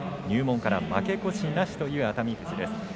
入門から負け越しなしという熱海富士です。